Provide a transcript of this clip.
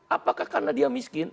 apakah karena dia miskin